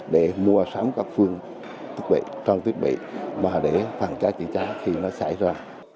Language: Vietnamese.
để mua sáng các phương thiết bị trong thiết bị và để phản trái chữ cháy khi nó xảy ra